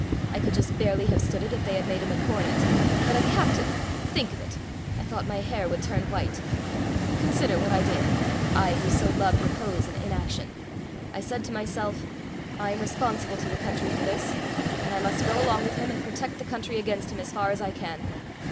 I could just barely have stood it if they had made him a cornet; but a captain&#8212think of it! I thought my hair would turn white. Consider what I did&#8212I who so loved repose and inaction. I said to myself, I am responsible to the country for this, and I must go along with him and protect the country against him as far as I can.